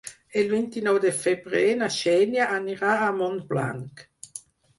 El vint-i-nou de febrer na Xènia anirà a Montblanc.